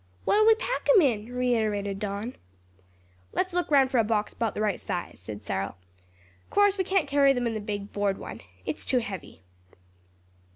"What'll we pack 'em in?" reiterated Don. "Let's look round for a box 'bout the right size," said Cyril. "Course we can't carry them in the big board one. It's too heavy."